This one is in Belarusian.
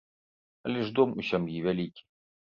Але ж дом у сям'і вялікі.